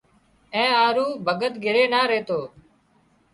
اين هارو ڀڳت گھري نا ريتو